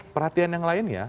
perhatian yang lainnya